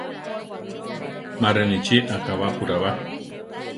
Ma rinichí akabápura ba.